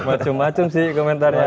macem macem sih komentarnya